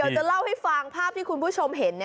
จะเล่าให้ฟังภาพที่คุณผู้ชมเห็น